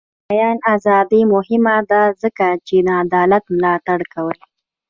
د بیان ازادي مهمه ده ځکه چې د عدالت ملاتړ کوي.